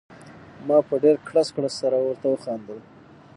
ما په ډېر کړس کړس سره ورته وخندل.